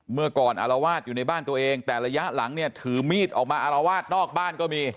เมื่อก่อนอารวาสอยู่ในบ้านตัวเองแต่ระยะหลังเนี่ยถือมีดออกมาอารวาสนอกบ้านก็มี